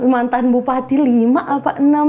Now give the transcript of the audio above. mantan bupati lima apa enam